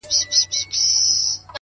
څوک وایي گران دی’ څوک وای آسان دی’